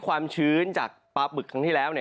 ความชื้นจากปลาบึกครั้งที่แล้ว